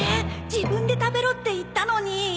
自分で食べろって言ったのに